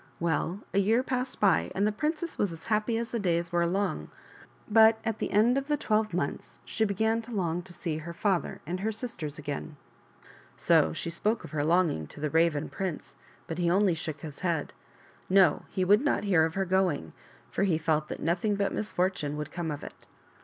Well, a year passed by, and the princess was as happy as the days were long ; but at the end of the twelve months she began to long to see her father and her sisters again. So she spoke of her longing to the Raven prince, but he only shook his head. No ; he would not hear of her going, for he felt that nothing but misfortune would come of it.